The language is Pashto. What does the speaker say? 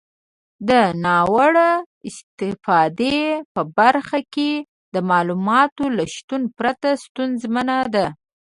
د ناوړه استفادې په برخه کې د معلوماتو له شتون پرته ستونزمنه ده.